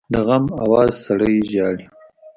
د غم آواز سړی ژاړي